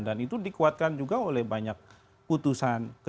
dan itu dikuatkan juga oleh banyak putusan